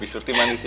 bisurti manis ya